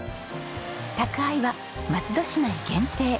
宅配は松戸市内限定。